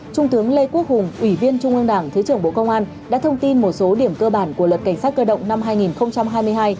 trung tướng lê quốc hùng ủy viên trung ương đảng thứ trưởng bộ công an đã thông tin một số điểm cơ bản của luật cảnh sát cơ động năm hai nghìn hai mươi hai